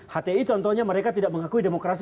hti contohnya mereka tidak mengakui demokrasi